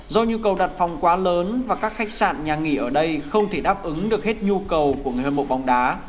do nhu cầu đặt phòng quá lớn và các khách sạn nhà nghỉ ở đây không thể đáp ứng được hết nhu cầu của người hâm mộ bóng đá